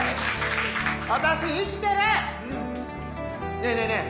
ねぇねぇねぇ